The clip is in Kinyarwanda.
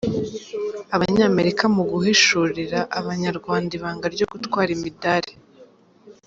Abanyamerika mu guhishurira Abanyarwanda ibanga ryo gutwara imidari